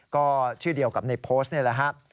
ก็ชื่อเดียวกับในโพสต์นี่แหละครับ